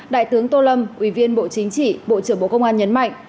đại tướng tô lâm ủy viên bộ chính trị bộ trưởng bộ công an nhấn mạnh